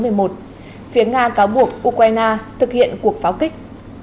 phía nga cáo buộc ukraine thực hiện cuộc pháo kích